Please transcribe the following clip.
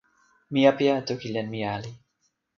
mi apeja e toki len mi ali.